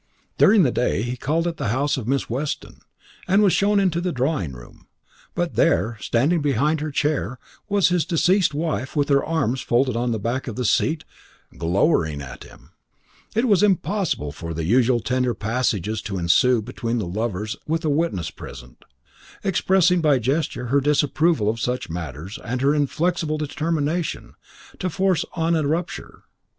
During the day he called at the house of Miss Weston, and was shown into the drawing room. But there, standing behind her chair, was his deceased wife with her arms folded on the back of the seat, glowering at him. It was impossible for the usual tender passages to ensue between the lovers with a witness present, expressing by gesture her disapproval of such matters and her inflexible determination to force on a rupture.